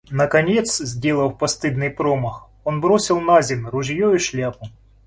Наконец, сделав постыдный промах, он бросил наземь ружье и шляпу.